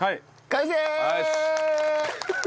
完成！